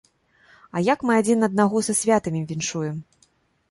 А як мы адзін аднаго са святамі віншуем?